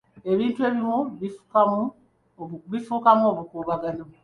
Ebintu ebimu bifuukamu bukuubagano.